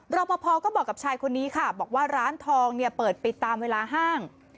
รอปภก็บอกกับชายคนนี้ค่ะบอกว่าร้านทองเนี่ยเปิดปิดตามเวลาห้าง